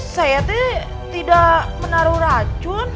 saya sih tidak menaruh racun